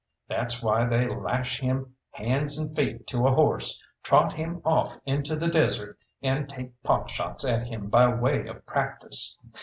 That's why they lash him hands and feet to a horse, trot him off into the desert, and take pot shots at him by way of practice.